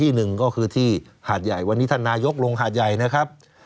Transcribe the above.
หนึ่งก็คือที่หาดใหญ่วันนี้ท่านนายกลงหาดใหญ่นะครับ